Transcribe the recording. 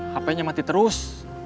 hp nya mati terus